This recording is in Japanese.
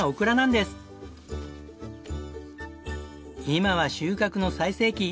今は収穫の最盛期。